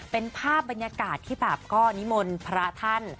เป็นภาพบรรยากาศที่แบบก็นิมนต์พระท่าน